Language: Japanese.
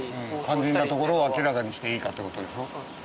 肝心なところを明らかにしていいかってことでしょ。